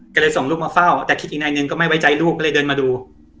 ก็เลยส่งลูกมาเฝ้าแต่คิดอีกนายหนึ่งก็ไม่ไว้ใจลูกก็เลยเดินมาดู